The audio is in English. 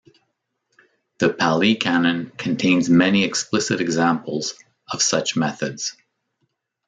The Pali Canon contains many explicit examples of such methods.